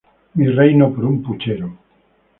Mi reino por un puchero".